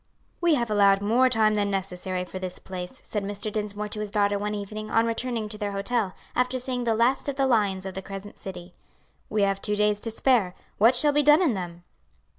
"We have allowed more time than necessary for this place," said Mr. Dinsmore to his daughter one evening on returning to their hotel, after seeing the last of the lions of the Crescent City; "we have two days to spare; what shall be done in them?"